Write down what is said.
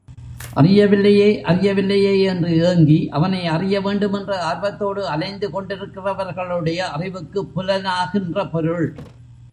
அறியவில்லையே, அறியவில்லையே என்று ஏங்கி அவனை அறிய வேண்டுமென்ற ஆர்வத்தோடு அலைந்து கொண்டிருக்கிறவர்களுடைய அறிவுக்குப் புலனாகின்ற பொருள்.